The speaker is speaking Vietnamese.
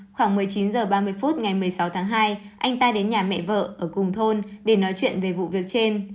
khoảng một mươi chín h ba mươi phút ngày một mươi sáu tháng hai anh ta đến nhà mẹ vợ ở cùng thôn để nói chuyện về vụ việc trên